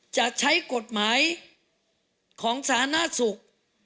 จะใช้กฎหมายของสาธารณสุข